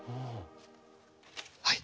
はい。